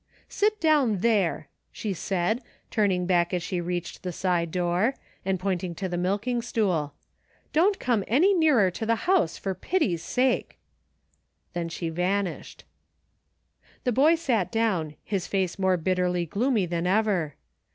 "Sit down there r' sho. said, turning back as she reached the side door, and pointing to the milking stool. " Don't come any nearer to the house, for pity's sake." Then she vanished. The boy sat down, his face more bitterly gloomy than ever.